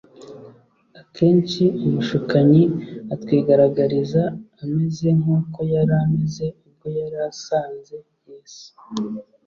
Akenshi umushukanyi atwigaragariza ameze nk'uko yari ameze ubwo yari asanze Yesu,